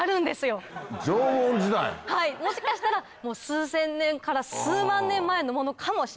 はいもしかしたら数千年から数万年前のものかもしれない。